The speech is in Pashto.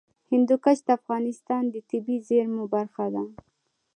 هندوکش د افغانستان د طبیعي زیرمو برخه ده.